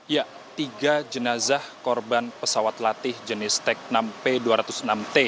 ya tiga jenazah korban pesawat latih jenis tk enam p dua ratus enam t